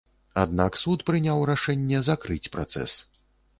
Аднак суд прыняў рашэнне закрыць працэс.